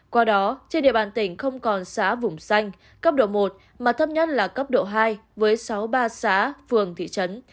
qua đó trên địa bàn tỉnh không còn xã vùng xanh cấp độ một mà thấp nhất là cấp độ hai với sáu ba xã phường thị trấn